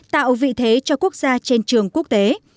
tạo vị thế cho quốc gia trên trường quốc tế